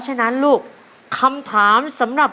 คุณยายแจ้วเลือกตอบจังหวัดนครราชสีมานะครับ